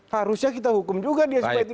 harusnya kita hukum juga supaya dia tidak memilih